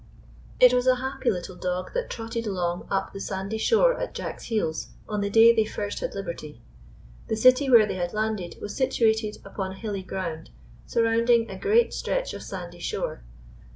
It was a happy little dog that trotted along up the sandy shore at Jack s heels on the day they 149 GYPSY, THE TALKING DOG first liad liberty. The city where they had landed was situated upon hilly ground surround ing a great stretch of sandy shore.